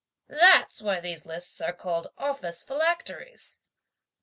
That's why these lists are called office philacteries.